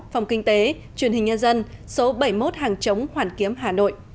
phòng kinh tế truyền hình nhân dân số bảy mươi một hàng chống hoàn kiếm hà nội